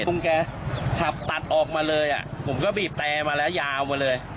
คุณแกขับตัดออกมาเลยอ่ะผมก็บีบแต่มาแล้วยาวมาเลย